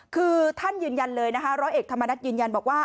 คือท่านยืนยันเลยนะคะร้อยเอกธรรมนัฐยืนยันบอกว่า